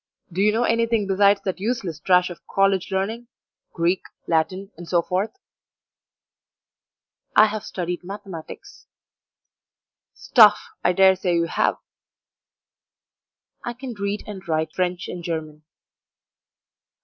Do you know anything besides that useless trash of college learning Greek, Latin, and so forth?" "I have studied mathematics." "Stuff! I dare say you have." "I can read and write French and German."